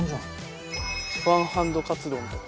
ワンハンドカツ丼とか。